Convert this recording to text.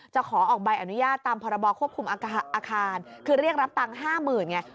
ขอออกใบอนุญาตตามพรบควบคุมอาคารคือเรียกรับตังค์๕๐๐๐ไง